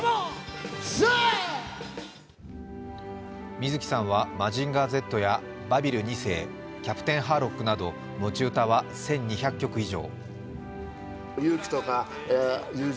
水木さんは「マジンガーＺ」、「バビル２世」、「キャプテンハーロック」など持ち歌は１２００曲以上。